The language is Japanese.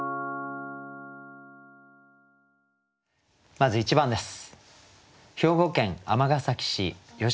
まず１番です。